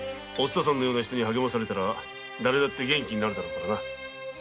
お蔦さんに励まされたらだれだって元気になるだろうからな。